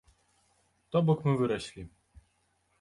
То бок, мы выраслі.